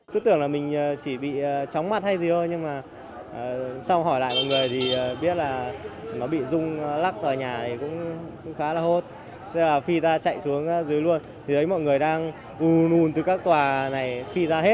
cứ tưởng là mình chỉ bị chóng mặt hay gì thôi nhưng mà sau hỏi lại mọi người thì biết là nó bị rung lắc vào nhà